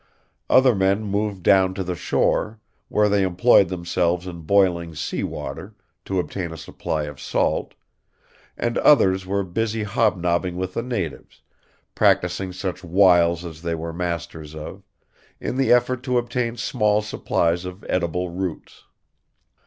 Other men moved down to the shore, where they employed themselves in boiling sea water, to obtain a supply of salt; and others were busy hobnobbing with the natives, practicing such wiles as they were masters of, in the effort to obtain small supplies of edible roots.